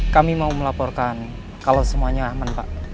kami mau melaporkan kalau semuanya aman pak